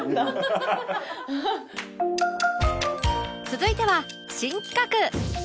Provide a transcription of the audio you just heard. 続いては新企画